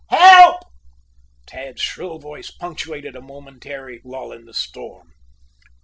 "Help!" Tad's shrill voice punctuated a momentary lull in the storm.